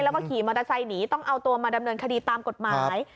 แล้วก็ขี่มอเตอร์ไซค์หนีต้องเอาตัวมาดำเนินคดีตามกฎหมาย